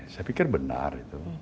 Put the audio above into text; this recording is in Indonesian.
saya pikir benar